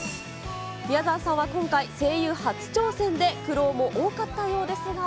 宮沢さんは今回、声優初挑戦で、苦労も多かったようですが。